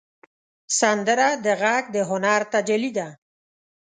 سندره د غږ د هنر تجلی ده